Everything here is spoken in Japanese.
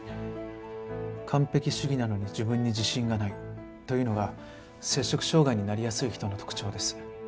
完璧主義なのに自分に自信がないというのが摂食障害になりやすい人の特徴です。